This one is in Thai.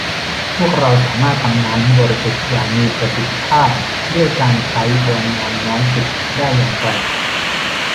พวกเราสามารถทำน้ำให้บริสุทธิ์อย่างมีประสิทธิภาพด้วยการใช้พลังงานน้อยสุดได้อย่างไร